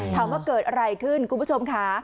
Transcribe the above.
ถามว่าเกิดอะไรขึ้นคุณผู้ชมค่ะ